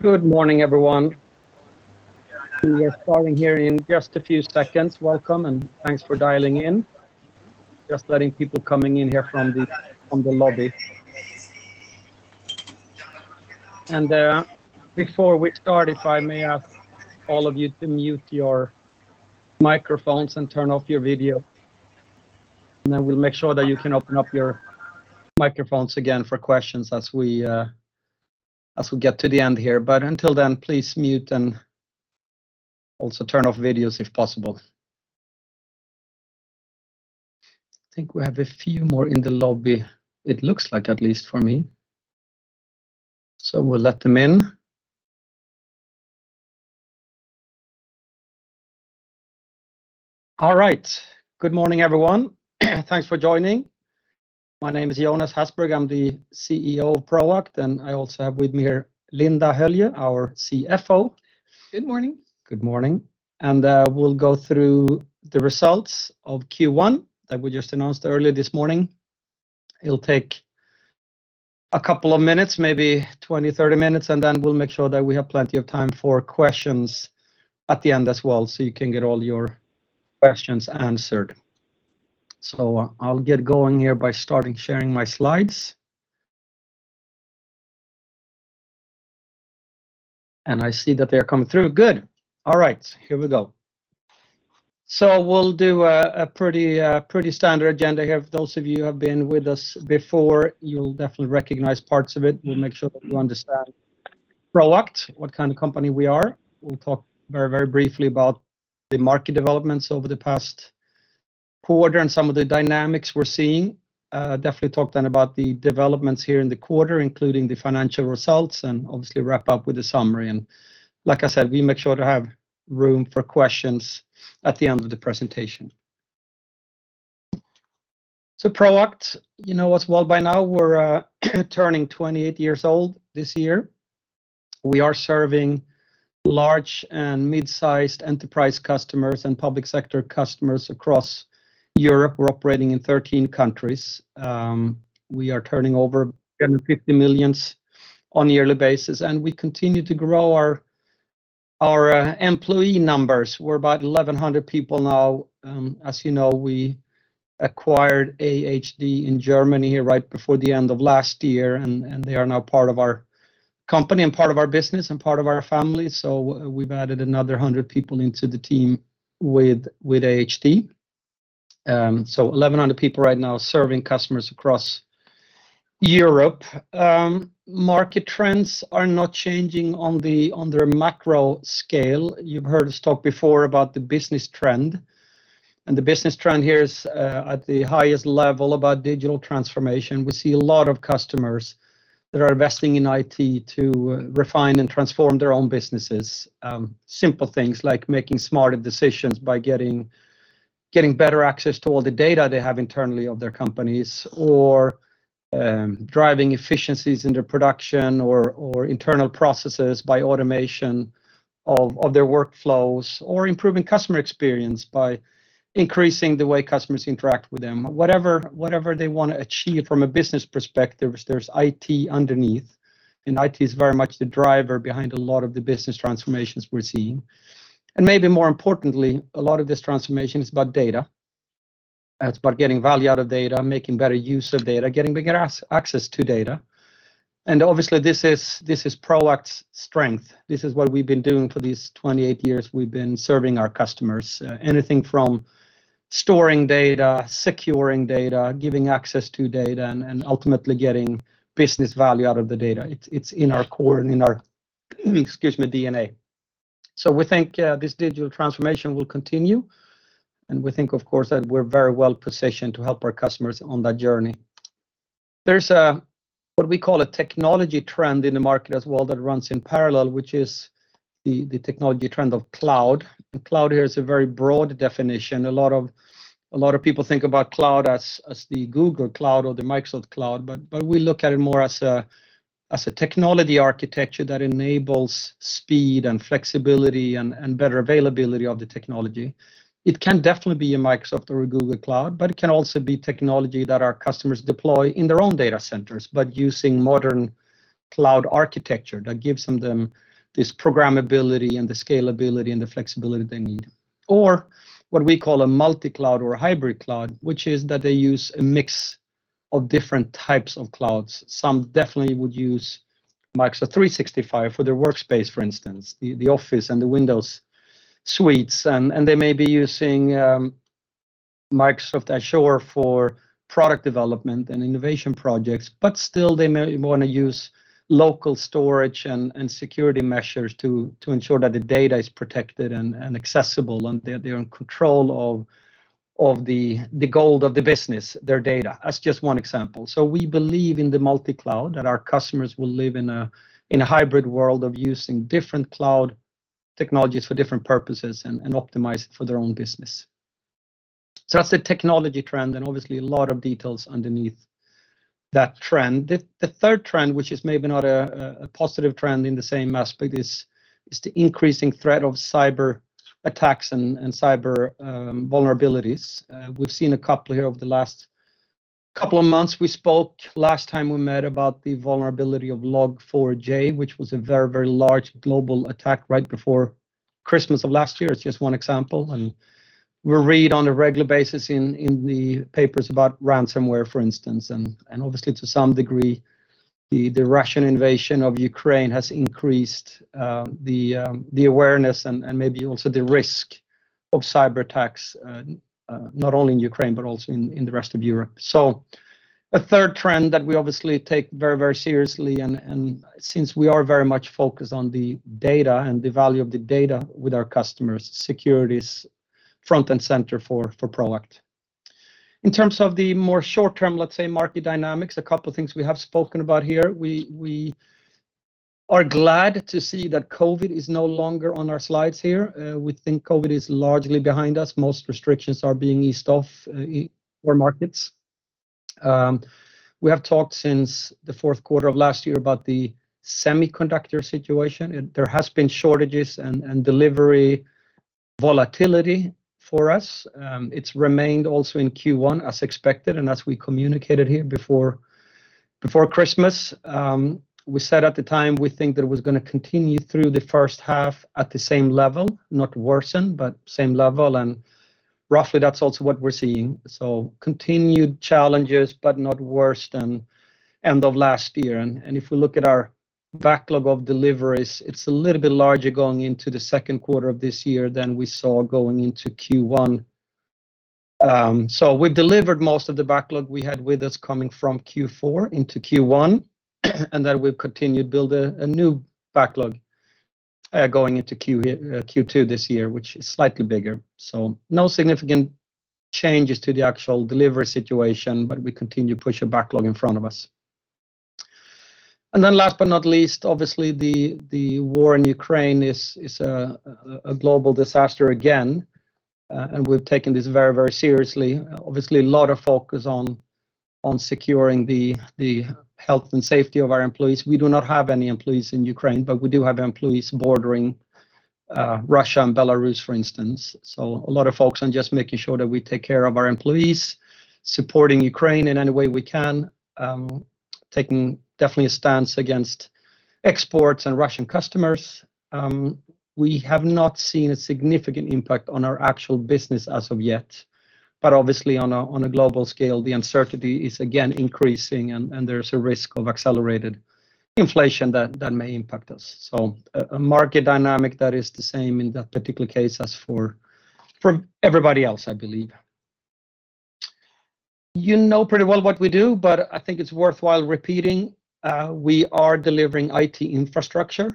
Good morning, everyone. We are starting here in just a few seconds. Welcome, and thanks for dialing in. Just letting people coming in here from the lobby. Before we start, if I may ask all of you to mute your microphones and turn off your video, and then we'll make sure that you can open up your microphones again for questions as we get to the end here. Until then, please mute and also turn off videos if possible. I think we have a few more in the lobby, it looks like at least for me. We'll let them in. All right. Good morning, everyone. Thanks for joining. My name is Jonas Hasselberg. I'm the CEO of Proact, and I also have with me here Linda Höljö, our CFO. Good morning. Good morning. We'll go through the results of Q1 that we just announced earlier this morning. It'll take a couple of minutes, maybe 20 minutes, 30 minutes, and then we'll make sure that we have plenty of time for questions at the end as well, so you can get all your questions answered. I'll get going here by starting sharing my slides. I see that they are coming through. Good. All right. Here we go. We'll do a pretty standard agenda here. Those of you who have been with us before, you'll definitely recognize parts of it. We'll make sure that you understand Proact, what kind of company we are. We'll talk very, very briefly about the market developments over the past quarter and some of the dynamics we're seeing. Definitely talk then about the developments here in the quarter, including the financial results, and obviously wrap up with a summary. Like I said, we make sure to have room for questions at the end of the presentation. Proact, you know us well by now. We're turning 28 years old this year. We are serving large and mid-sized enterprise customers and public sector customers across Europe. We're operating in 13 countries. We are turning over 150 million on a yearly basis, and we continue to grow our employee numbers. We're about 1,100 people now. As you know, we acquired ahd in Germany right before the end of last year, and they are now part of our company and part of our business and part of our family. We've added another 100 people into the team with ahd. 1,100 people right now serving customers across Europe. Market trends are not changing on the macro scale. You've heard us talk before about the business trend, and the business trend here is at the highest level about digital transformation. We see a lot of customers that are investing in IT to refine and transform their own businesses. Simple things like making smarter decisions by getting better access to all the data they have internally of their companies. Driving efficiencies into production or internal processes by automation of their workflows. Improving customer experience by increasing the way customers interact with them. Whatever they wanna achieve from a business perspective, there's IT underneath, and IT is very much the driver behind a lot of the business transformations we're seeing. Maybe more importantly, a lot of this transformation is about data. It's about getting value out of data, making better use of data, getting bigger access to data. Obviously, this is Proact's strength. This is what we've been doing for these 28 years we've been serving our customers. Anything from storing data, securing data, giving access to data, and ultimately getting business value out of the data. It's in our core and in our DNA. We think this digital transformation will continue, and we think of course that we're very well positioned to help our customers on that journey. There's a what we call a technology trend in the market as well that runs in parallel, which is the technology trend of cloud. Cloud here is a very broad definition. A lot of people think about cloud as the Google Cloud or the Microsoft Cloud, but we look at it more as a technology architecture that enables speed and flexibility and better availability of the technology. It can definitely be a Microsoft or a Google Cloud, but it can also be technology that our customers deploy in their own data centers, but using modern cloud architecture that gives them this programmability and the scalability and the flexibility they need. What we call a multi-cloud or a hybrid cloud, which is that they use a mix of different types of clouds. Some definitely would use Microsoft 365 for their workspace, for instance, the Office and the Windows suites. They may be using Microsoft Azure for product development and innovation projects. Still they may wanna use local storage and security measures to ensure that the data is protected and accessible, and they're in control of the gold of the business, their data. That's just one example. We believe in the multi-cloud, that our customers will live in a hybrid world of using different cloud technologies for different purposes and optimize it for their own business. That's the technology trend and obviously a lot of details underneath that trend. The third trend, which is maybe not a positive trend in the same aspect, is the increasing threat of cyber attacks and vulnerabilities. We've seen a couple here over the last couple of months we spoke last time we met about the vulnerability of Log4j, which was a very large global attack right before Christmas of last year. It's just one example, and we read on a regular basis in the papers about ransomware, for instance. Obviously to some degree, the Russian invasion of Ukraine has increased the awareness and maybe also the risk of cyberattacks, not only in Ukraine, but also in the rest of Europe. A third trend that we obviously take very, very seriously and since we are very much focused on the data and the value of the data with our customers, security's front and center for Proact. In terms of the more short-term, let's say, market dynamics, a couple of things we have spoken about here. We are glad to see that COVID is no longer on our slides here. We think COVID is largely behind us. Most restrictions are being eased off in more markets. We have talked since the fourth quarter of last year about the semiconductor situation. There has been shortages and delivery volatility for us. It's remained also in Q1 as expected and as we communicated here before Christmas. We said at the time we think that it was gonna continue through the first half at the same level, not worsen, but same level. Roughly that's also what we're seeing. Continued challenges, but not worse than end of last year. If we look at our backlog of deliveries, it's a little bit larger going into the second quarter of this year than we saw going into Q1. We've delivered most of the backlog we had with us coming from Q4 into Q1, and then we've continued to build a new backlog going into Q2 this year, which is slightly bigger. No significant changes to the actual delivery situation, but we continue to push a backlog in front of us. Last but not least, obviously the war in Ukraine is a global disaster again. We've taken this very seriously. Obviously a lot of focus on securing the health and safety of our employees. We do not have any employees in Ukraine, but we do have employees bordering Russia and Belarus, for instance. A lot of focus on just making sure that we take care of our employees, supporting Ukraine in any way we can, taking definitely a stance against exports and Russian customers. We have not seen a significant impact on our actual business as of yet. Obviously on a global scale, the uncertainty is again increasing and there's a risk of accelerated inflation that may impact us. A market dynamic that is the same in that particular case as for everybody else, I believe. You know pretty well what we do, but I think it's worthwhile repeating. We are delivering IT infrastructure.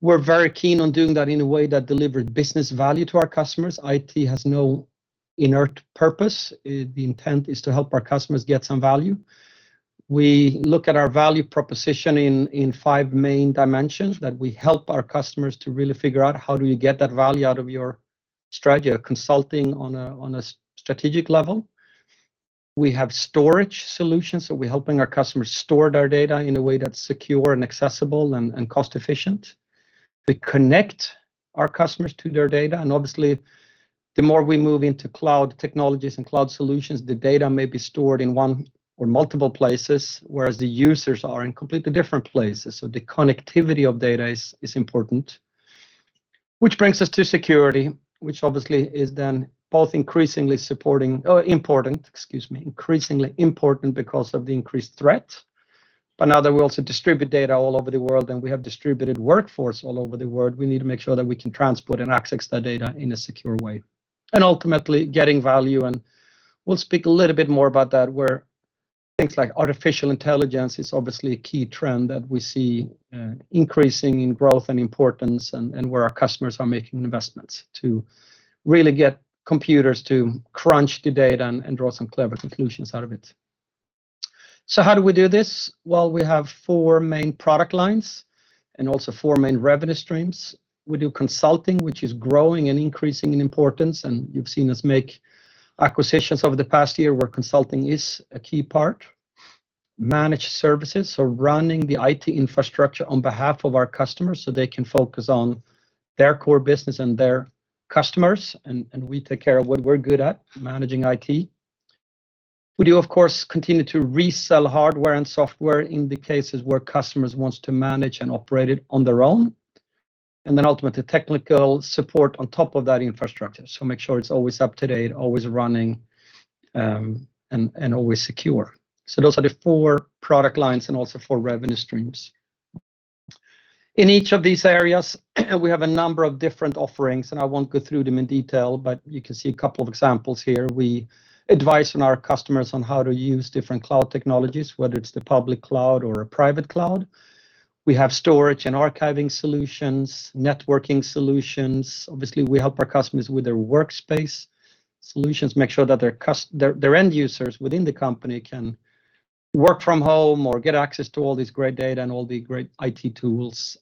We're very keen on doing that in a way that delivered business value to our customers. IT has no inherent purpose. The intent is to help our customers get some value. We look at our value proposition in five main dimensions, that we help our customers to really figure out how do you get that value out of your strategy or consulting on a strategic level. We have storage solutions, so we're helping our customers store their data in a way that's secure and accessible and cost efficient. We connect our customers to their data, and obviously, the more we move into cloud technologies and cloud solutions, the data may be stored in one or multiple places, whereas the users are in completely different places. The connectivity of data is important. Which brings us to security, which obviously is then increasingly important because of the increased threat. Now that we also distribute data all over the world and we have distributed workforce all over the world, we need to make sure that we can transport and access that data in a secure way. Ultimately getting value, and we'll speak a little bit more about that, where things like artificial intelligence is obviously a key trend that we see, increasing in growth and importance and where our customers are making investments to really get computers to crunch the data and draw some clever conclusions out of it. How do we do this? Well, we have four main product lines and also four main revenue streams. We do consulting, which is growing and increasing in importance, and you've seen us make acquisitions over the past year where consulting is a key part. Managed services, so running the IT infrastructure on behalf of our customers so they can focus on their core business and their customers, and we take care of what we're good at, managing IT. We do of course continue to resell hardware and software in the cases where customers wants to manage and operate it on their own. Then ultimately technical support on top of that infrastructure, so make sure it's always up to date, always running, and always secure. Those are the four product lines and also four revenue streams. In each of these areas, we have a number of different offerings, and I won't go through them in detail, but you can see a couple of examples here. We advise our customers on how to use different cloud technologies, whether it's the public cloud or a private cloud. We have storage and archiving solutions, networking solutions. Obviously, we help our customers with their workspace solutions, make sure that their end users within the company can work from home or get access to all this great data and all the great IT tools.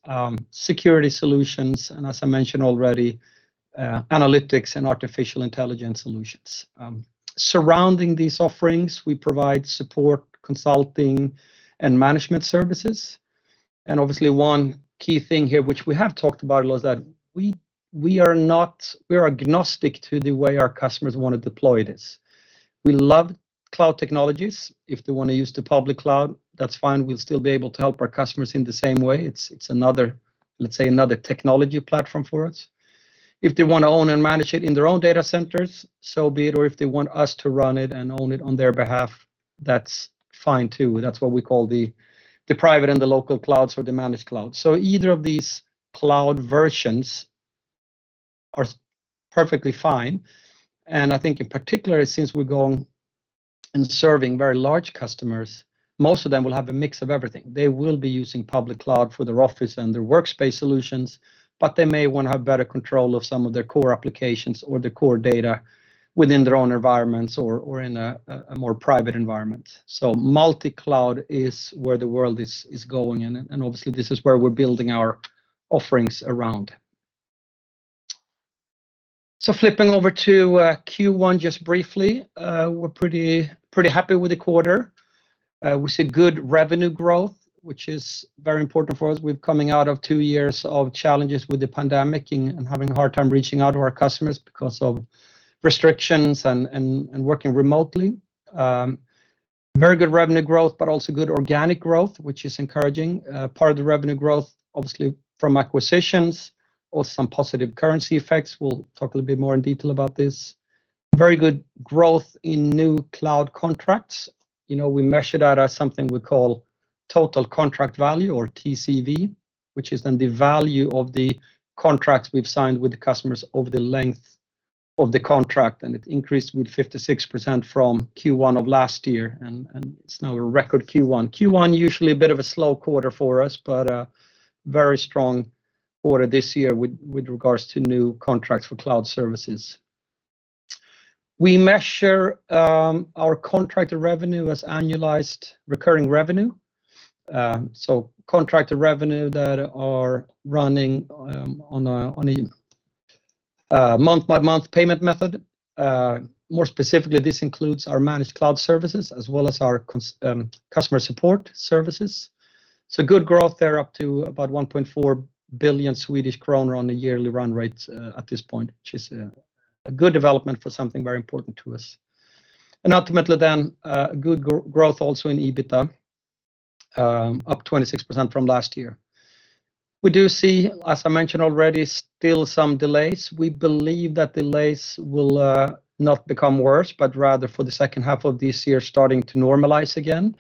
Security solutions, and as I mentioned already, analytics and artificial intelligence solutions. Surrounding these offerings, we provide support, consulting, and management services. Obviously one key thing here, which we have talked about a lot, is that we are agnostic to the way our customers wanna deploy this. We love cloud technologies. If they wanna use the public cloud, that's fine, we'll still be able to help our customers in the same way. It's another, let's say, another technology platform for us. If they wanna own and manage it in their own data centers, so be it, or if they want us to run it and own it on their behalf, that's fine too. That's what we call the private and the local clouds or the managed cloud. Either of these cloud versions are perfectly fine, and I think in particular, since we're going and serving very large customers, most of them will have a mix of everything. They will be using public cloud for their office and their workspace solutions, but they may wanna have better control of some of their core applications or the core data within their own environments or in a more private environment. Multi-cloud is where the world is going, and obviously this is where we're building our offerings around. Flipping over to Q1 just briefly, we're pretty happy with the quarter. We see good revenue growth, which is very important for us. We're coming out of two years of challenges with the pandemic and working remotely. Very good revenue growth, but also good organic growth, which is encouraging. Part of the revenue growth, obviously from acquisitions or some positive currency effects. We'll talk a little bit more in detail about this. Very good growth in new cloud contracts. You know, we measure that as something we call total contract value or TCV, which is then the value of the contracts we've signed with the customers over the length of the contract, and it increased with 56% from Q1 of last year, and it's now a record Q1. Q1 usually a bit of a slow quarter for us, but a very strong quarter this year with regards to new contracts for cloud services. We measure our contracted revenue as annualized recurring revenue, so contracted revenue that are running on a month-by-month payment method. More specifically, this includes our managed cloud services as well as our customer support services. Good growth there, up to about 1.4 billion Swedish kronor on a yearly run rate at this point, which is a good development for something very important to us. Ultimately then, good growth also in EBITDA, up 26% from last year. We do see, as I mentioned already, still some delays. We believe that delays will not become worse, but rather for the second half of this year, starting to normalize again.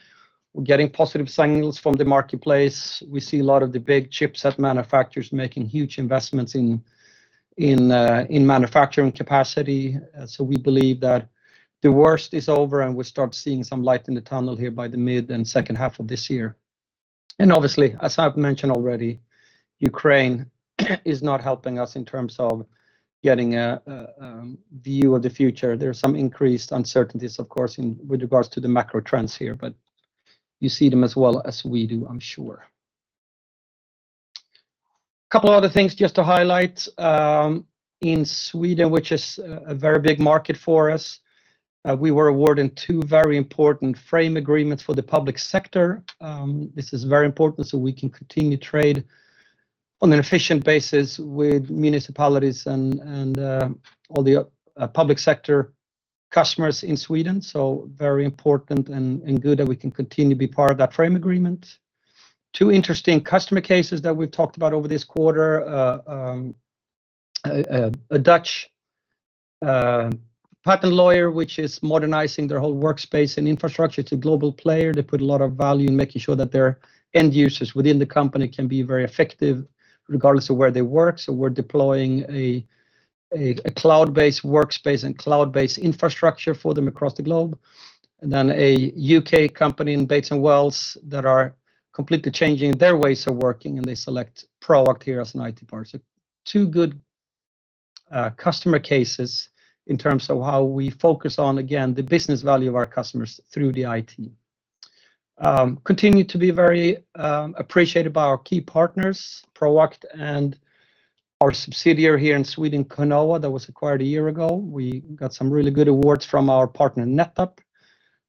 We're getting positive signals from the marketplace. We see a lot of the big chipset manufacturers making huge investments in manufacturing capacity, so we believe that the worst is over, and we start seeing some light in the tunnel here by the mid and second half of this year. Obviously, as I've mentioned already, Ukraine is not helping us in terms of getting a view of the future. There are some increased uncertainties, of course, with regards to the macro trends here, but you see them as well as we do, I'm sure. Couple of other things just to highlight. In Sweden, which is a very big market for us, we were awarded two very important frame agreements for the public sector. This is very important so we can continue to trade on an efficient basis with municipalities and all the public sector customers in Sweden, so very important and good that we can continue to be part of that frame agreement. Two interesting customer cases that we've talked about over this quarter. A Dutch patent lawyer, which is modernizing their whole workspace and infrastructure. It's a global player. They put a lot of value in making sure that their end users within the company can be very effective regardless of where they work. We're deploying a cloud-based workspace and cloud-based infrastructure for them across the globe. A U.K. company in Bates Wells that are completely changing their ways of working, and they select Proact here as an IT partner. Two good customer cases in terms of how we focus on, again, the business value of our customers through the IT. Continue to be very appreciated by our key partners, Proact and our subsidiary here in Sweden, Conoa, that was acquired a year ago. We got some really good awards from our partner NetApp,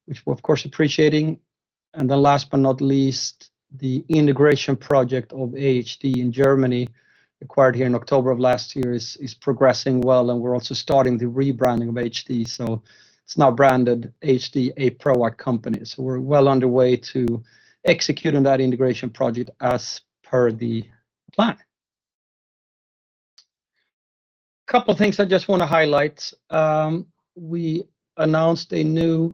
which we're of course appreciating. Then last but not least, the integration project of ahd in Germany, acquired here in October of last year, is progressing well, and we're also starting the rebranding of ahd, so it's now branded ahd, a Proact company. We're well underway to executing that integration project as per the plan. Couple things I just wanna highlight. We announced a new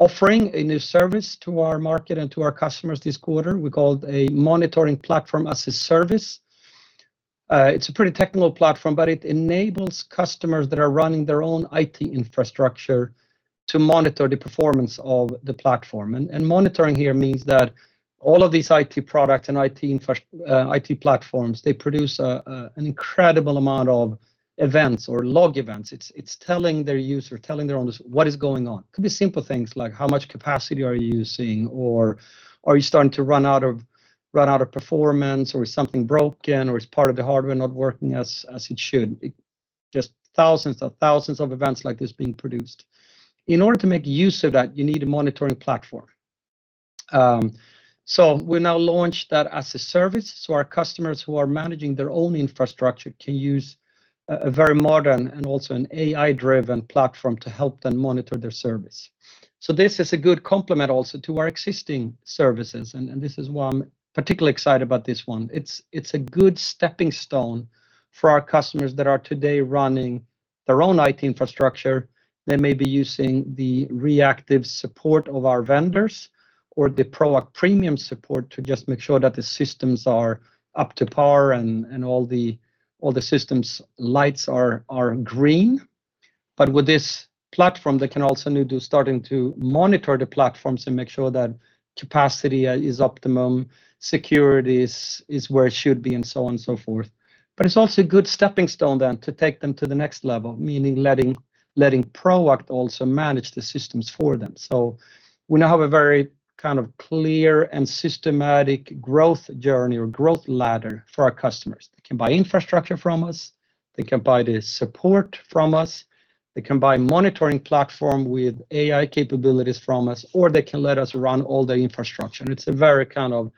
offering, a new service to our market and to our customers this quarter, we called Monitoring Platform as a Service. It's a pretty technical platform, but it enables customers that are running their own IT infrastructure to monitor the performance of the platform. Monitoring here means that all of these IT products and IT platforms they produce an incredible amount of events or log events. It's telling their user, their owners what is going on. Could be simple things like how much capacity are you using, or are you starting to run out of performance, or is something broken, or is part of the hardware not working as it should? Just thousands of events like this being produced. In order to make use of that, you need a monitoring platform. We now launched that as a service, so our customers who are managing their own infrastructure can use a very modern and also an AI-driven platform to help them monitor their service. This is a good complement also to our existing services. This is why I'm particularly excited about this one. It's a good stepping stone for our customers that are today running their own IT infrastructure. They may be using the reactive support of our vendors or the Proact premium support to just make sure that the systems are up to par and all the systems lights are green. With this platform, they can also now start to monitor the platforms and make sure that capacity is optimum, security is where it should be, and so on and so forth. It's also a good stepping stone then to take them to the next level, meaning letting Proact also manage the systems for them. We now have a very kind of clear and systematic growth journey or growth ladder for our customers. They can buy infrastructure from us, they can buy the support from us, they can buy monitoring platform with AI capabilities from us, or they can let us run all the infrastructure. It's a very kind of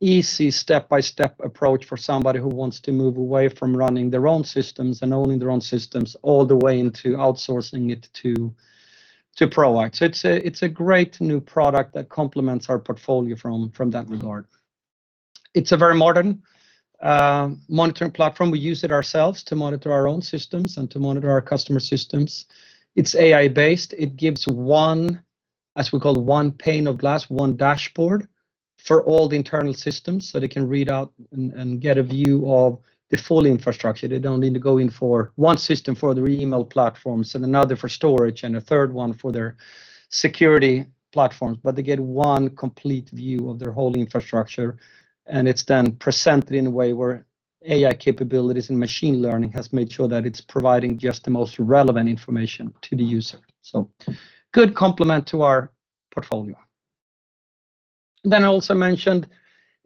easy step-by-step approach for somebody who wants to move away from running their own systems and owning their own systems all the way into outsourcing it to Proact. It's a great new product that complements our portfolio from that regard. It's a very modern monitoring platform. We use it ourselves to monitor our own systems and to monitor our customer systems. It's AI-based. It gives one, as we call, one pane of glass, one dashboard for all the internal systems, so they can read out and get a view of the full infrastructure. They don't need to go in for one system for their email platforms and another for storage, and a third one for their security platforms. They get one complete view of their whole infrastructure, and it's then presented in a way where AI capabilities and machine learning has made sure that it's providing just the most relevant information to the user. Good complement to our portfolio. I also mentioned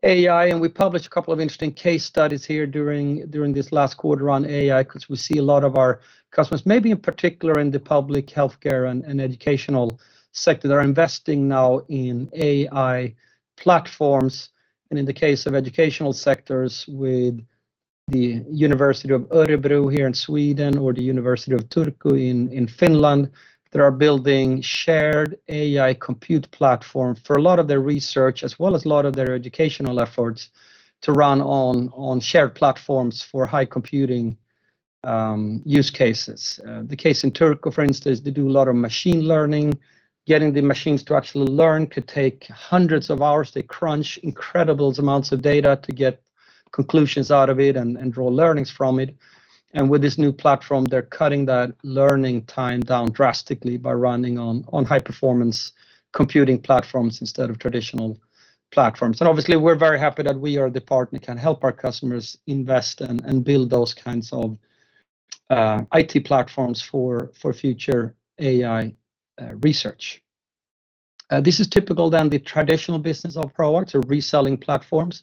AI, and we published a couple of interesting case studies here during this last quarter on AI 'cause we see a lot of our customers, maybe in particular in the public healthcare and educational sector, they're investing now in AI platforms. In the case of educational sectors with the Örebro University here in Sweden or the University of Turku in Finland, they are building shared AI compute platform for a lot of their research as well as a lot of their educational efforts to run on shared platforms for high computing use cases. The case in Turku for instance, they do a lot of machine learning. Getting the machines to actually learn could take hundreds of hours. They crunch incredible amounts of data to get conclusions out of it and draw learnings from it. With this new platform, they're cutting that learning time down drastically by running on high performance computing platforms instead of traditional platforms. Obviously, we're very happy that we are the partner that can help our customers invest and build those kinds of IT platforms for future AI research. This is atypical to the traditional business of Proact, or reselling platforms,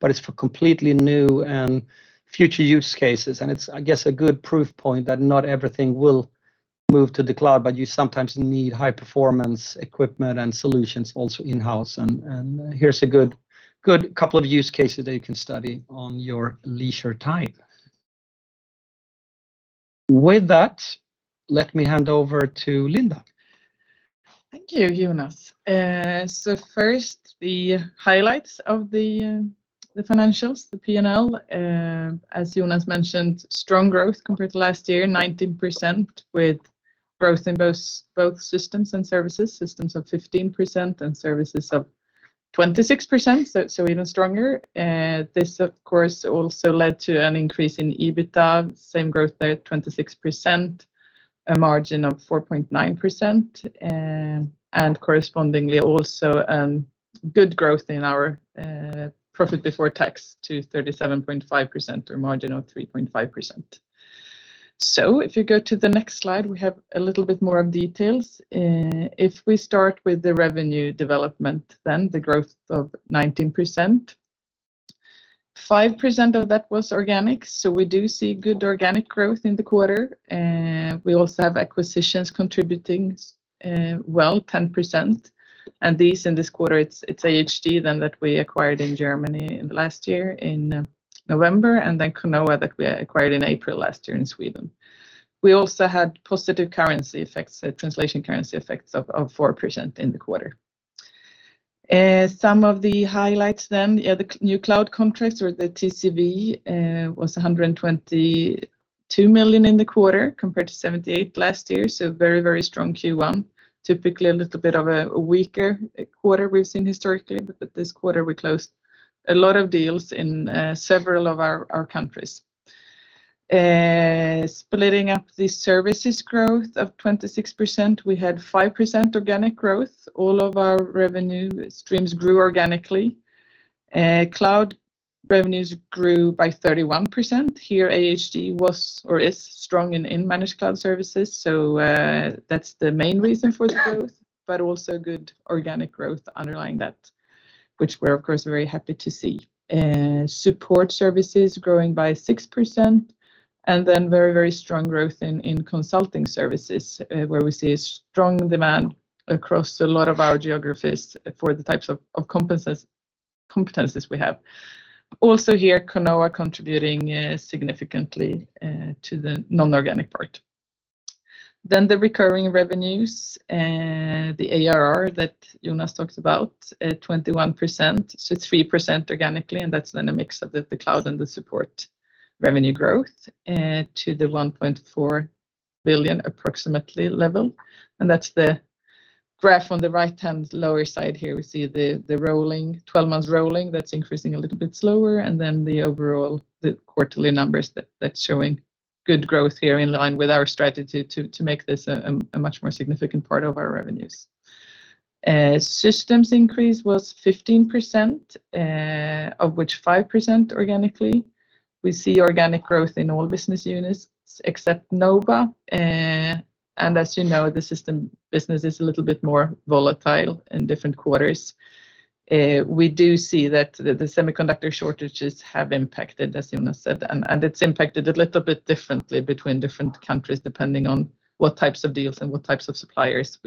but it's for completely new and future use cases, and it's, I guess, a good proof point that not everything will move to the cloud. You sometimes need high performance equipment and solutions also in-house. Here's a good couple of use cases that you can study in your leisure time. With that, let me hand over to Linda. Thank you, Jonas. First, the highlights of the financials, the P&L. As Jonas mentioned, strong growth compared to last year, 19% with growth in both systems and services. Systems of 15% and services of 26%, so even stronger. This of course also led to an increase in EBITDA, same growth there at 26%, a margin of 4.9%. And correspondingly also good growth in our profit before tax to 37.5% or margin of 3.5%. If you go to the next slide, we have a little bit more of details. If we start with the revenue development, then the growth of 19%. Five percent of that was organic, so we do see good organic growth in the quarter. We also have acquisitions contributing, well, 10%. These in this quarter, it's ahd then that we acquired in Germany last year in November, and then Conoa that we acquired in April last year in Sweden. We also had positive currency effects, the translation currency effects of 4% in the quarter. Some of the highlights then, the new cloud contracts or the TCV was 122 million in the quarter compared to 78 million last year. Very strong Q1. Typically a little bit of a weaker quarter we've seen historically, but this quarter we closed a lot of deals in several of our countries. Splitting up the services growth of 26%, we had 5% organic growth. All of our revenue streams grew organically. Cloud revenues grew by 31%. Here, ahd was or is strong in managed cloud services. That's the main reason for the growth, but also good organic growth underlying that, which we're of course very happy to see. Support services growing by 6%, and then very strong growth in consulting services, where we see a strong demand across a lot of our geographies for the types of competencies we have. Also here, Conoa contributing significantly to the non-organic part. The recurring revenues and the ARR that Jonas talked about at 21%, so it's 3% organically, and that's then a mix of the cloud and the support revenue growth to the 1.4 billion approximately level. That's the graph on the right-hand lower side here. We see the rolling 12 months, that's increasing a little bit slower, and then the overall quarterly numbers that's showing good growth here in line with our strategy to make this a much more significant part of our revenues. Systems increase was 15%, of which 5% organically. We see organic growth in all business units except Nova. And as you know, the system business is a little bit more volatile in different quarters. We do see that the semiconductor shortages have impacted, as Jonas said, and it's impacted a little bit differently between different countries depending on what types of deals and what types of suppliers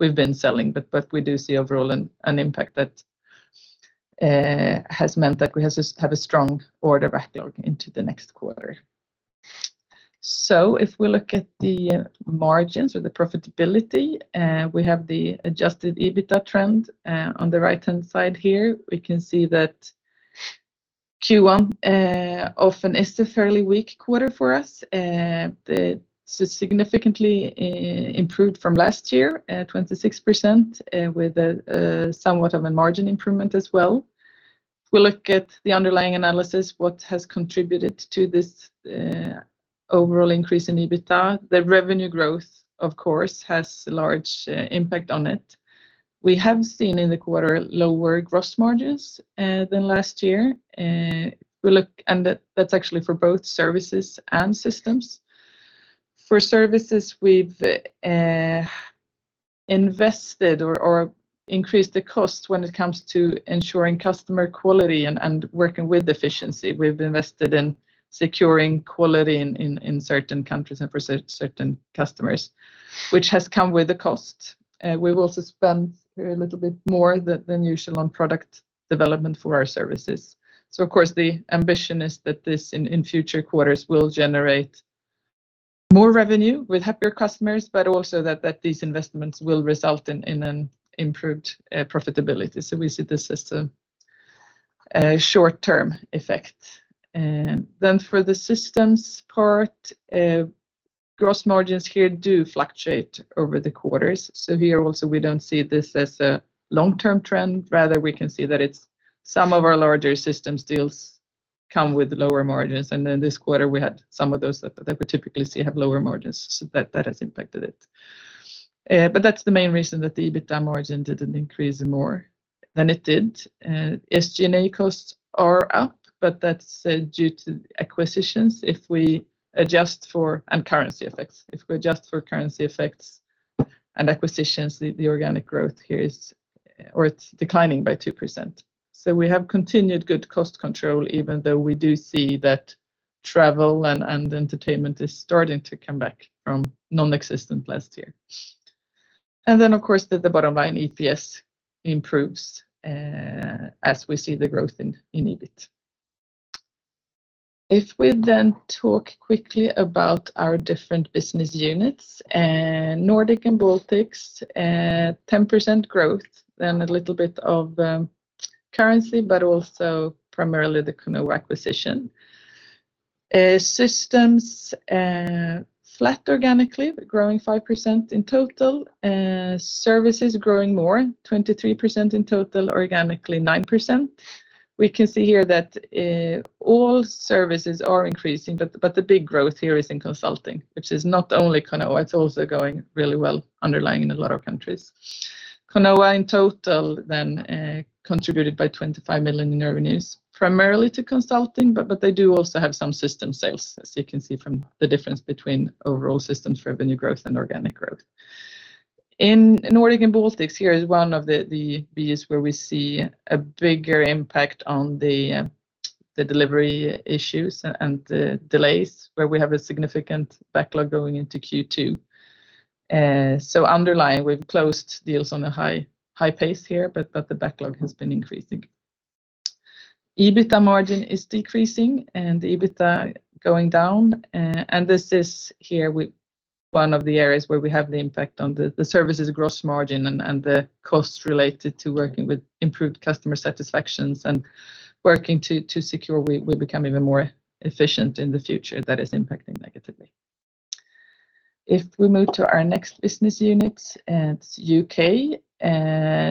we've been selling. But we do see overall an impact that has meant that we have a strong order backlog into the next quarter. If we look at the margins or the profitability, we have the adjusted EBITDA trend on the right-hand side here. We can see that Q1 often is a fairly weak quarter for us. Significantly improved from last year at 26%, with somewhat of a margin improvement as well. If we look at the underlying analysis, what has contributed to this overall increase in EBITDA, the revenue growth, of course, has a large impact on it. We have seen in the quarter lower gross margins than last year. That is actually for both services and systems. For services, we've invested or increased the cost when it comes to ensuring customer quality and working with efficiency. We've invested in securing quality in certain countries and for certain customers, which has come with a cost. We've also spent a little bit more than usual on product development for our services. Of course, the ambition is that this in future quarters will generate more revenue with happier customers, but also that these investments will result in an improved profitability. We see this as a short-term effect. For the systems part, gross margins here do fluctuate over the quarters. Here also we don't see this as a long-term trend. Rather, we can see that it's some of our larger systems deals come with lower margins, and then this quarter we had some of those that we typically see have lower margins. That has impacted it. That's the main reason that the EBITDA margin didn't increase more than it did. SG&A costs are up, but that's due to acquisitions. If we adjust for currency effects and acquisitions, the organic growth here is declining by 2%. We have continued good cost control even though we do see that travel and entertainment is starting to come back from nonexistent last year. Of course, the bottom line, EPS improves as we see the growth in EBIT. If we talk quickly about our different business units, Nordic and Baltics, 10% growth, then a little bit of currency, but also primarily the Conoa acquisition. Systems, flat organically, but growing 5% in total. Services growing more, 23% in total, organically 9%. We can see here that all services are increasing, but the big growth here is in consulting, which is not only Conoa, it's also going really well underlying in a lot of countries. Conoa in total then contributed by 25 million in revenues, primarily to consulting, but they do also have some system sales, as you can see from the difference between overall systems revenue growth and organic growth. In Nordic and Baltics, here is one of the BUs where we see a bigger impact on the delivery issues and the delays, where we have a significant backlog going into Q2. Underlying, we've closed deals on a high pace here, but the backlog has been increasing. EBITDA margin is decreasing and EBITDA going down. This is where we have the impact on the services gross margin and the costs related to working with improved customer satisfaction and working to ensure we become even more efficient in the future that is impacting negatively. If we move to our next business units, it's U.K.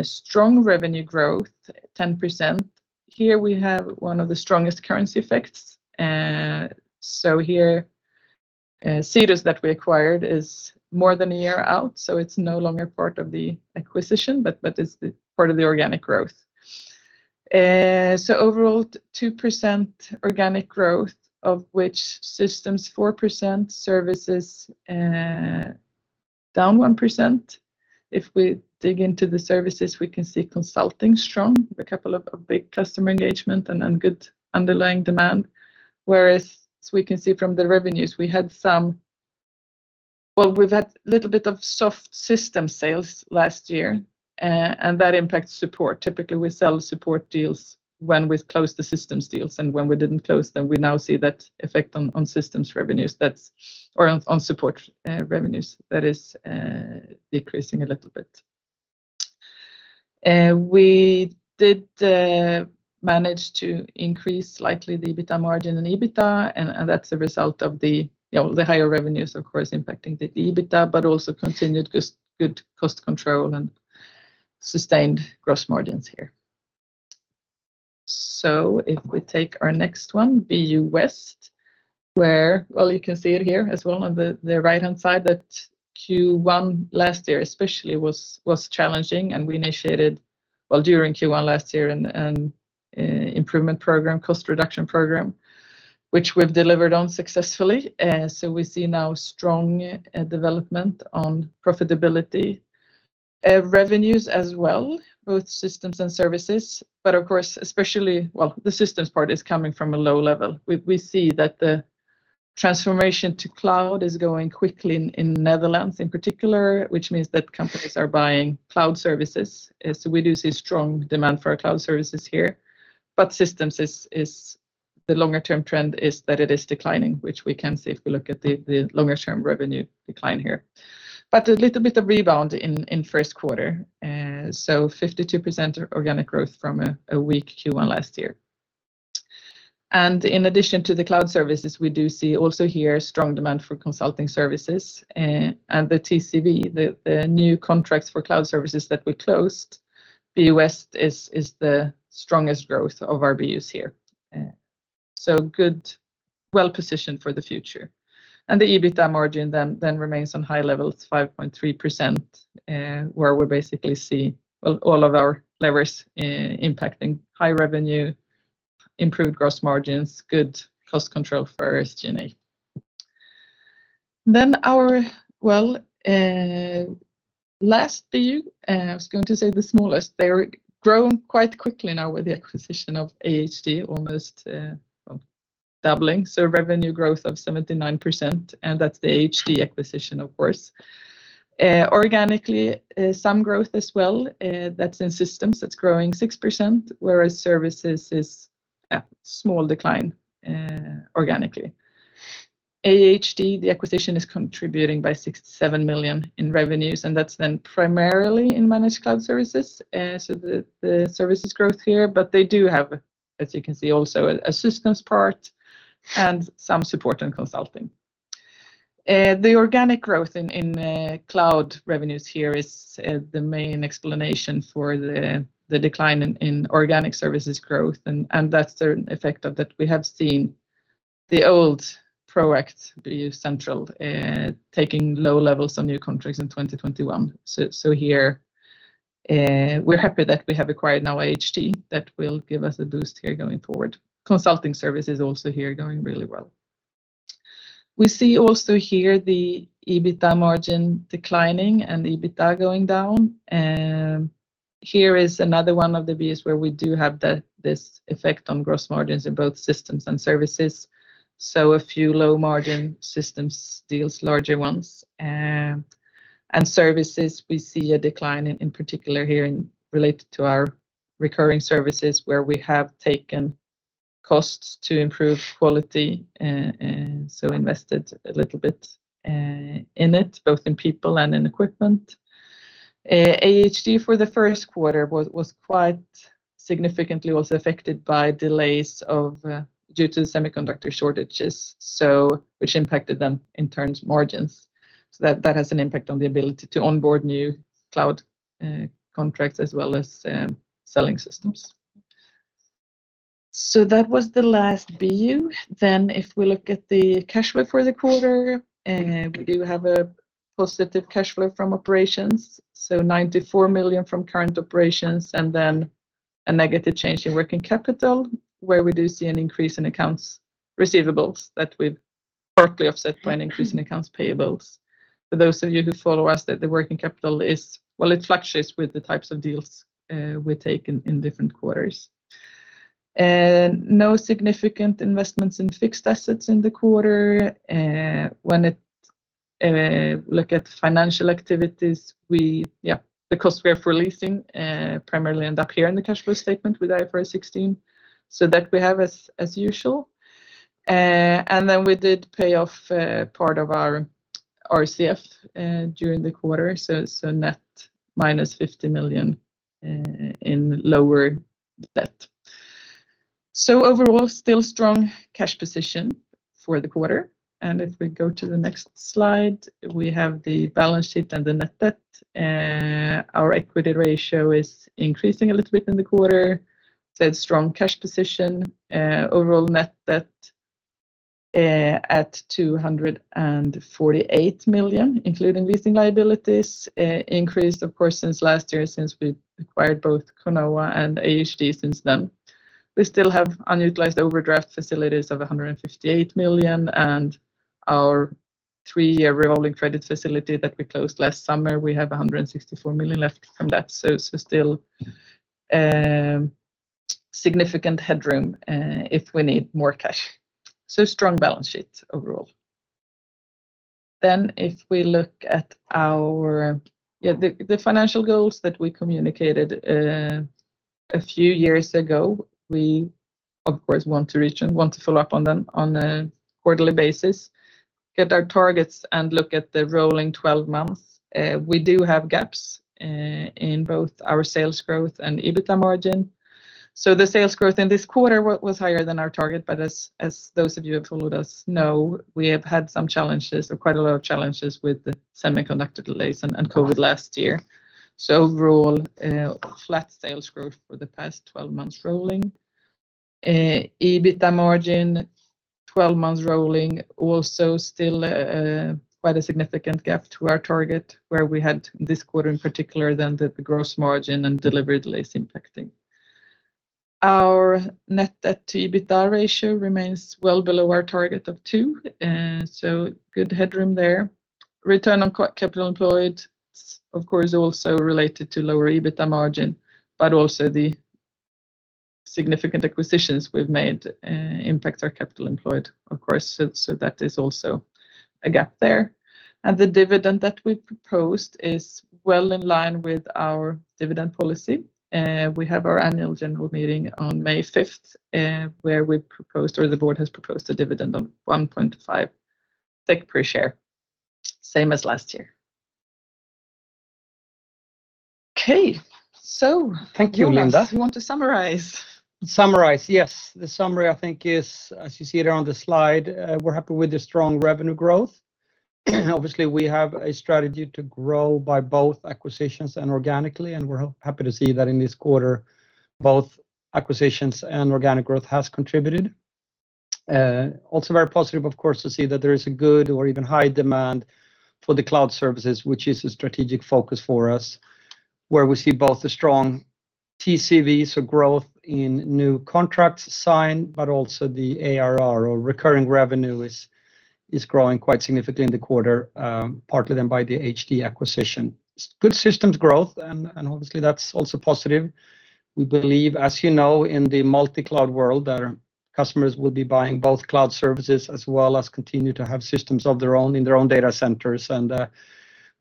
Strong revenue growth, 10%. Here we have one of the strongest currency effects. Here, Cetus that we acquired is more than a year out, so it's no longer part of the acquisition, but it's part of the organic growth. Overall 2% organic growth, of which systems 4%, services down 1%. If we dig into the services, we can see consulting strong with a couple of big customer engagements and good underlying demand. As we can see from the revenues, we had some. Well, we've had little bit of soft system sales last year, and that impacts support. Typically, we sell support deals when we've closed the systems deals, and when we didn't close them we now see that effect on support revenues that is decreasing a little bit. We did manage to increase slightly the EBITDA margin and EBITDA, and that's a result of the higher revenues of course impacting the EBITDA, but also continued good cost control and sustained gross margins here. If we take our next one, BU West, where... Well, you can see it here as well on the right-hand side that Q1 last year especially was challenging and we initiated, well, during Q1 last year an improvement program, cost reduction program, which we've delivered on successfully. We see now strong development on profitability, revenues as well, both systems and services. Of course, especially, well, the systems part is coming from a low level. We see that the transformation to cloud is going quickly in Netherlands in particular, which means that companies are buying cloud services. As we do see strong demand for our cloud services here. Systems is the longer term trend is that it is declining, which we can see if we look at the longer term revenue decline here. A little bit of rebound in first quarter. 52% organic growth from a weak Q1 last year. In addition to the cloud services, we do see also here strong demand for consulting services and the TCV, the new contracts for cloud services that we closed. BU West is the strongest growth of our BUs here. Good, well-positioned for the future. The EBITDA margin then remains on high levels, 5.3%, where we basically see all of our levers impacting high revenue, improved gross margins, good cost control for SG&A. Our well last BU, I was going to say the smallest, they've grown quite quickly now with the acquisition of ahd, almost doubling. Revenue growth of 79%, and that's the ahd acquisition of course. Organically, some growth as well. That's in systems growing 6%, whereas services is a small decline, organically. ahd, the acquisition is contributing by 6 million-7 million in revenues, and that's then primarily in managed cloud services. The services growth here, but they do have, as you can see, also a systems part and some support and consulting. The organic growth in cloud revenues here is the main explanation for the decline in organic services growth, and that's the effect of that we have seen the old Proact BU Central taking low levels of new contracts in 2021. Here, we're happy that we have acquired now ahd. That will give us a boost here going forward. Consulting services also here going really well. We see also here the EBITDA margin declining and EBITDA going down. Here is another one of the BUs where we do have this effect on gross margins in both systems and services, so a few low margin systems deals, larger ones. Services we see a decline in particular here in relation to our recurring services where we have taken costs to improve quality and so invested a little bit in it, both in people and in equipment. ahd for the first quarter was quite significantly also affected by delays due to semiconductor shortages, which impacted their margins in turn. That has an impact on the ability to onboard new cloud contracts as well as selling systems. That was the last BU. If we look at the cash flow for the quarter, we do have a positive cash flow from operations, so 94 million from operations, and then a negative change in working capital where we do see an increase in accounts receivables that we've partly offset by an increase in accounts payables. For those of you who follow us, that the working capital is well, it fluctuates with the types of deals we take in different quarters. No significant investments in fixed assets in the quarter. When we look at financial activities, we, the cost we have for leasing primarily end up here in the cash flow statement with IFRS 16. So that we have as usual. We did pay off part of our RCF during the quarter, so net minus 50 million in lower debt. Overall, still strong cash position for the quarter. If we go to the next slide, we have the balance sheet and the net debt. Our equity ratio is increasing a little bit in the quarter. Strong cash position. Overall net debt at 248 million, including leasing liabilities. Increased of course since last year since we acquired both Conoa and ahd since then. We still have unutilized overdraft facilities of 158 million and our three-year revolving credit facility that we closed last summer, we have 164 million left from that. Still, a significant headroom if we need more cash. Strong balance sheet overall. If we look at our financial goals that we communicated a few years ago, we of course want to reach and want to follow up on them on a quarterly basis, hit our targets and look at the rolling 12 months. We do have gaps in both our sales growth and EBITDA margin. The sales growth in this quarter was higher than our target, but as those of you who have followed us know, we have had some challenges or quite a lot of challenges with the semiconductor delays and COVID last year. Overall, flat sales growth for the past 12 months rolling. EBITDA margin 12 months rolling also still quite a significant gap to our target, where we had this quarter in particular, the gross margin and delivery delays impacting. Our net debt to EBITDA ratio remains well below our target of two, so good headroom there. Return on capital employed of course also related to lower EBITDA margin, but also the significant acquisitions we've made impact our capital employed, of course. So that is also a gap there. The dividend that we proposed is well in line with our dividend policy. We have our annual general meeting on May 5th, where we proposed or the board has proposed a dividend of 1.5 SEK per share, same as last year. Okay. Thank you, Linda. Jonas, you want to summarize? Summarize, yes. The summary I think is, as you see it on the slide, we're happy with the strong revenue growth. Obviously, we have a strategy to grow by both acquisitions and organically, and we're happy to see that in this quarter both acquisitions and organic growth has contributed. Also very positive of course to see that there is a good or even high demand for the cloud services, which is a strategic focus for us, where we see both a strong TCV, so growth in new contracts signed, but also the ARR or recurring revenue is growing quite significantly in the quarter, partly then by the ahd acquisition. Good systems growth and obviously that's also positive. We believe, as you know, in the multi-cloud world that our customers will be buying both cloud services as well as continue to have systems of their own in their own data centers.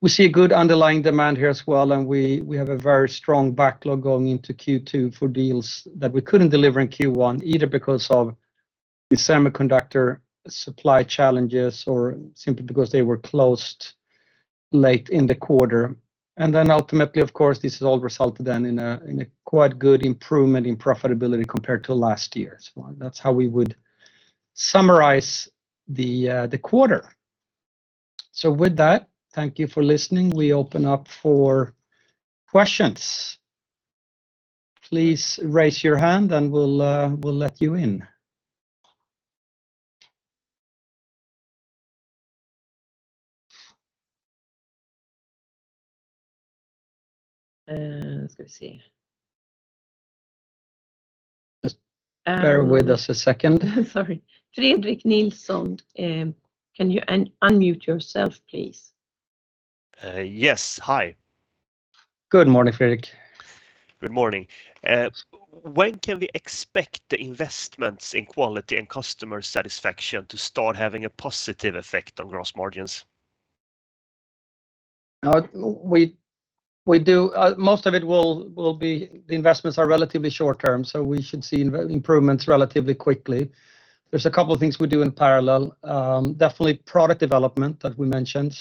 We see a good underlying demand here as well, and we have a very strong backlog going into Q2 for deals that we couldn't deliver in Q1, either because of the semiconductor supply challenges or simply because they were closed late in the quarter. Ultimately, of course, this has all resulted in a quite good improvement in profitability compared to last year. That's how we would summarize the quarter. With that, thank you for listening. We open up for questions. Please raise your hand, and we'll let you in. Let's go see. Just bear with us a second. Sorry. Fredrik Nilsson, can you unmute yourself, please? Yes. Hi. Good morning, Fredrik. Good morning. When can we expect the investments in quality and customer satisfaction to start having a positive effect on gross margins? Most of it will be the investments are relatively short term, so we should see improvements relatively quickly. There's a couple of things we do in parallel. Definitely product development that we mentioned.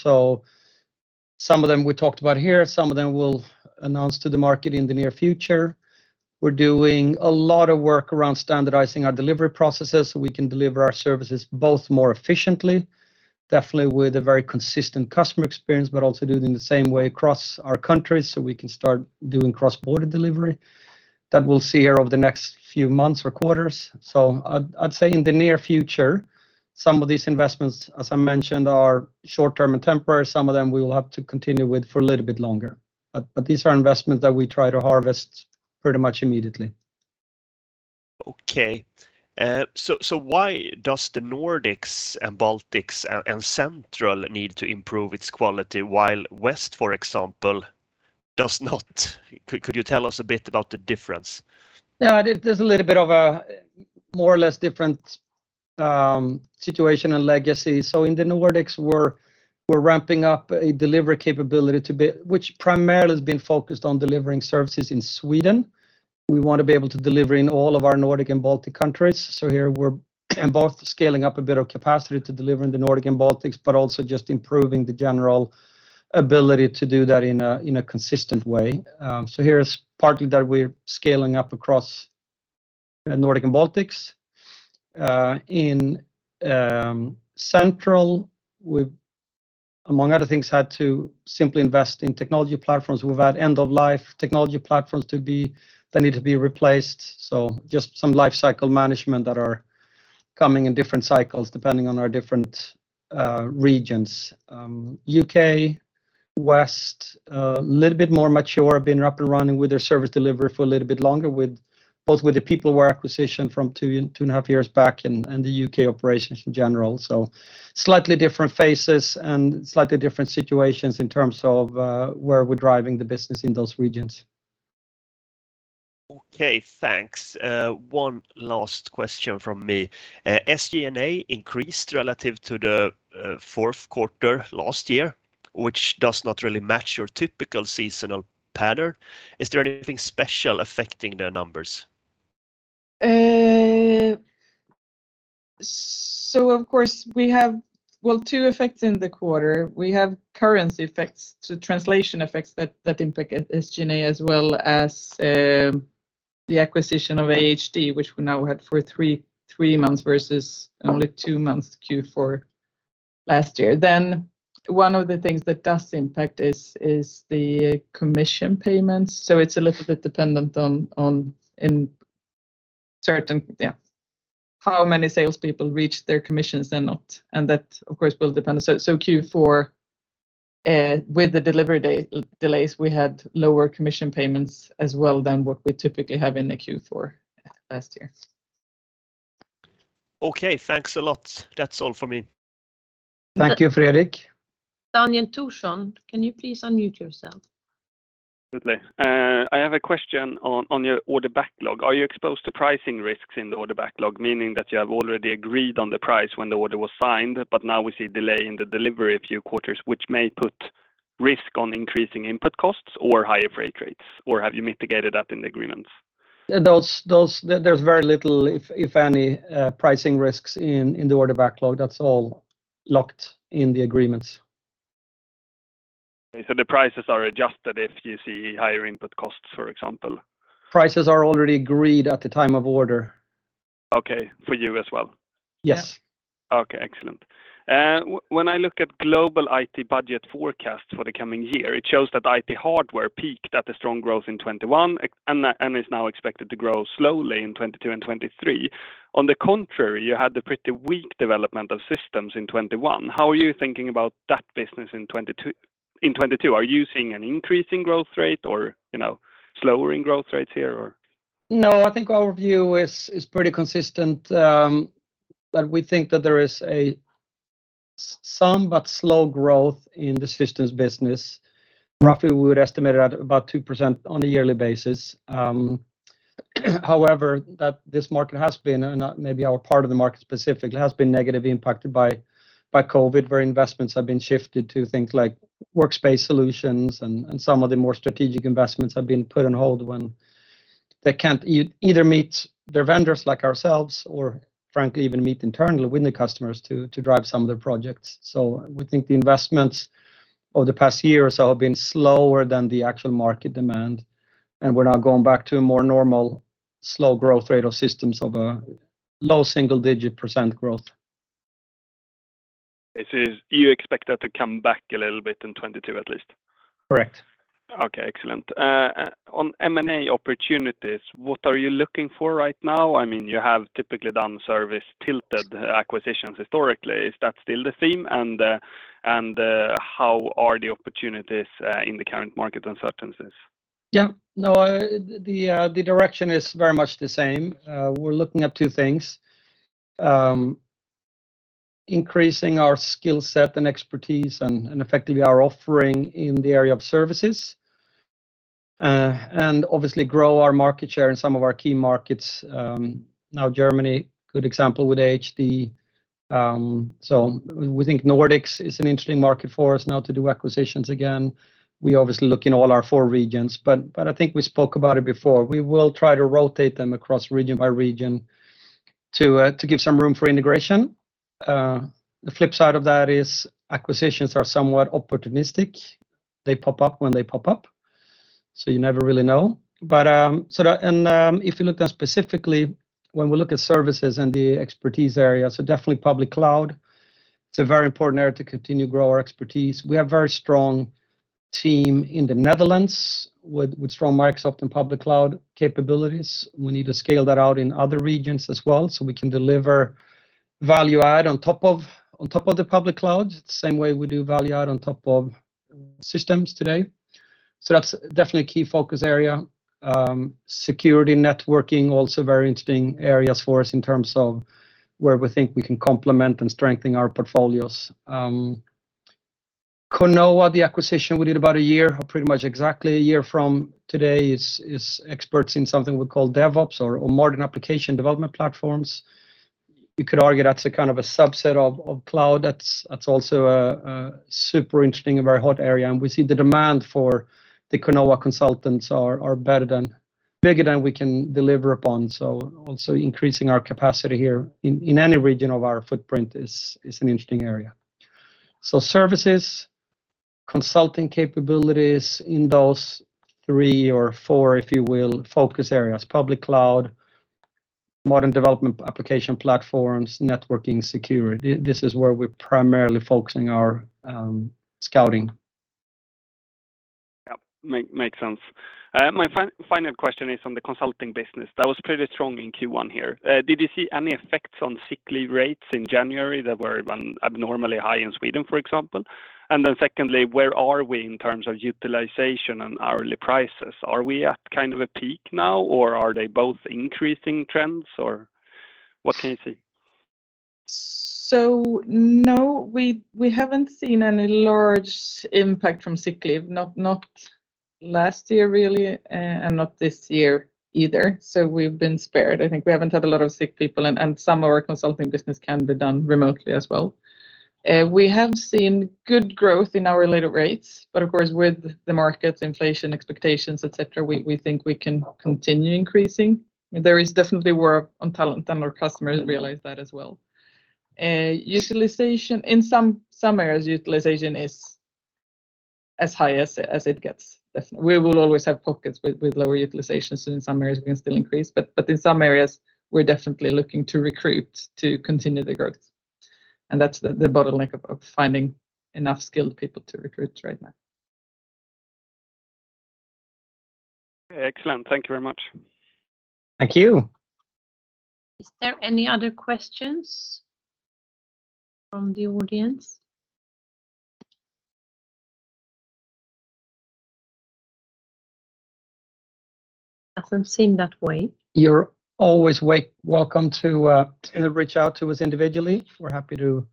Some of them we talked about here, some of them we'll announce to the market in the near future. We're doing a lot of work around standardizing our delivery processes, so we can deliver our services both more efficiently, definitely with a very consistent customer experience, but also doing the same way across our countries, so we can start doing cross-border delivery. That we'll see here over the next few months or quarters. I'd say in the near future some of these investments, as I mentioned, are short term and temporary. Some of them we will have to continue with for a little bit longer. These are investments that we try to harvest pretty much immediately. Okay. Why does the Nordics and Baltics and Central need to improve its quality while West, for example, does not? Could you tell us a bit about the difference? Yeah, there's a little bit of a more or less different situation and legacy. In the Nordics, we're ramping up a delivery capability which primarily has been focused on delivering services in Sweden. We want to be able to deliver in all of our Nordic and Baltic countries. Here we're both scaling up a bit of capacity to deliver in the Nordic and Baltics, but also just improving the general ability to do that in a consistent way. Here's partly that we're scaling up across Nordic and Baltics. In Central we've, among other things, had to simply invest in technology platforms. We've had end-of-life technology platforms they need to be replaced, so just some life cycle management that are coming in different cycles depending on our different regions. U.K. West a little bit more mature, been up and running with their service delivery for a little bit longer with both the PeopleWare acquisition from 2.5 years back and the U.K. operations in general. Slightly different phases and slightly different situations in terms of where we're driving the business in those regions. Okay, thanks. One last question from me. SG&A increased relative to the fourth quarter last year, which does not really match your typical seasonal pattern. Is there anything special affecting the numbers? Of course we have two effects in the quarter. We have currency effects, so translation effects that impact SG&A, as well as the acquisition of ahd, which we now had for three months versus only two months Q4 last year. Then one of the things that does impact is the commission payments. It's a little bit dependent on in certain how many sales people reach their commissions and not, and that of course will depend. Q4 with the delivery delays, we had lower commission payments as well than what we typically have in the Q4 last year. Okay, thanks a lot. That's all for me. Thank you, Fredrik. Daniel Thorsson, can you please unmute yourself? Absolutely. I have a question on your order backlog. Are you exposed to pricing risks in the order backlog? Meaning that you have already agreed on the price when the order was signed, but now we see delay in the delivery a few quarters, which may put risk on increasing input costs or higher freight rates, or have you mitigated that in the agreements? There's very little, if any, pricing risks in the order backlog. That's all locked in the agreements. Okay. The prices are adjusted if you see higher input costs, for example. Prices are already agreed at the time of order. Okay. For you as well? Yes. Yeah. Okay. Excellent. When I look at global IT budget forecast for the coming year, it shows that IT hardware peaked at the strong growth in 2021 and is now expected to grow slowly in 2022 and 2023. On the contrary, you had the pretty weak development of systems in 2021. How are you thinking about that business in 2022? Are you seeing an increase in growth rate or, you know, slower in growth rates here, or? No, I think our view is pretty consistent, but we think that there is somewhat slow growth in the systems business. Roughly we would estimate it at about 2% on a yearly basis. However, this market has been, and not maybe our part of the market specifically, has been negatively impacted by COVID where investments have been shifted to things like workspace solutions and some of the more strategic investments have been put on hold when they can't either meet their vendors like ourselves, or frankly even meet internally with the customers to drive some of their projects. We think the investments over the past year or so have been slower than the actual market demand, and we're now going back to a more normal slow growth rate of systems, low single-digit percent growth. This is, you expect that to come back a little bit in 2022, at least? Correct. Okay. Excellent. On M&A opportunities, what are you looking for right now? I mean, you have typically done service tilted acquisitions historically. Is that still the theme, and how are the opportunities in the current market uncertainties? Yeah, no, the direction is very much the same. We're looking at two things. Increasing our skill set and expertise and effectively our offering in the area of services. Obviously grow our market share in some of our key markets. Now Germany, good example with ahd. We think Nordics is an interesting market for us now to do acquisitions again. We obviously look in all our four regions, but I think we spoke about it before. We will try to rotate them across region by region to give some room for integration. The flip side of that is acquisitions are somewhat opportunistic. They pop up when they pop up, so you never really know. That... If you look at specifically when we look at services and the expertise area, definitely public cloud, it's a very important area to continue grow our expertise. We have very strong team in the Netherlands with strong Microsoft and public cloud capabilities. We need to scale that out in other regions as well, so we can deliver value add on top of the public cloud, the same way we do value add on top of systems today. That's definitely a key focus area. Security, networking, also very interesting areas for us in terms of where we think we can complement and strengthen our portfolios. Conoa, the acquisition we did about a year, pretty much exactly a year from today, is experts in something we call DevOps or modern application development platforms. You could argue that's a kind of a subset of cloud. That's also a super interesting and very hot area, and we see the demand for the Conoa consultants are bigger than we can deliver upon. Also increasing our capacity here in any region of our footprint is an interesting area. Services, consulting capabilities in those three or four, if you will, focus areas. Public cloud, modern development application platforms, networking, security. This is where we're primarily focusing our scouting. Yeah. Makes sense. My final question is on the consulting business. That was pretty strong in Q1 here. Did you see any effects on sick leave rates in January that were abnormally high in Sweden, for example? Then secondly, where are we in terms of utilization and hourly prices? Are we at kind of a peak now, or are they both increasing trends, or what can you see? No, we haven't seen any large impact from sick leave. Not last year really, and not this year either. We've been spared. I think we haven't had a lot of sick people and some of our consulting business can be done remotely as well. We have seen good growth in our realized rates, but of course with the market inflation expectations, et cetera, we think we can continue increasing. There is definitely war for talent, and our customers realize that as well. Utilization in some areas is as high as it gets. We will always have pockets with lower utilization, so in some areas we can still increase, but in some areas we're definitely looking to recruit to continue the growth, and that's the bottleneck of finding enough skilled people to recruit right now. Excellent. Thank you very much. Thank you. Is there any other questions from the audience? Doesn't seem that way. You're always welcome to reach out to us individually. We're happy to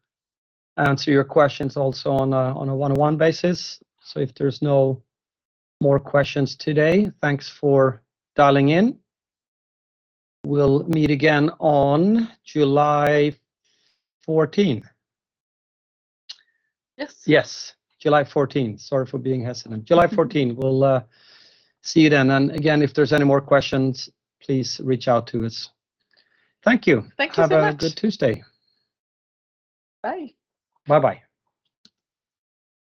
answer your questions also on a one-on-one basis. If there's no more questions today, thanks for dialing in. We'll meet again on July 14th. Yes. Yes, July 14th. Sorry for being hesitant. July 14th. We'll see you then, and again, if there's any more questions, please reach out to us. Thank you. Thank you so much. Have a good Tuesday. Bye. Bye-bye.